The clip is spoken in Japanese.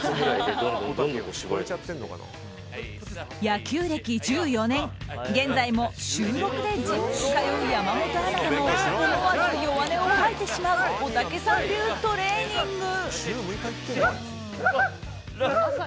野球歴１４年現在も週６でジムに通う山本アナでも思わず弱音を吐いてしまうおたけさん流トレーニング。